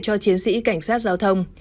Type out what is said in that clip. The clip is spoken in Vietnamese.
cho chiến sĩ cảnh sát giao thông